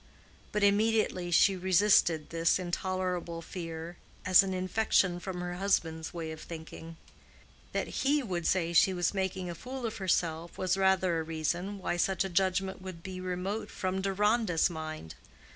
But immediately she resisted this intolerable fear as an infection from her husband's way of thinking. That he would say she was making a fool of herself was rather a reason why such a judgment would be remote from Deronda's mind.